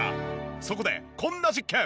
そこでこんな実験！